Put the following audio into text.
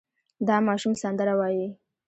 دا ماشوم سندره وايي.